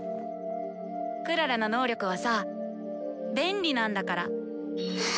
クララの能力はさ便利なんだから。